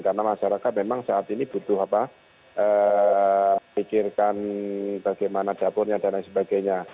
karena masyarakat memang saat ini butuh pikirkan bagaimana dapurnya dan lain sebagainya